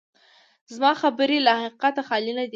زما خبرې له حقیقته خالي نه دي.